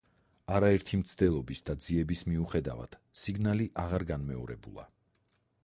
არაერთი მცდელობის და ძიების მიუხედავად, სიგნალი აღარ განმეორებულა.